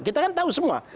kita kan tahu semua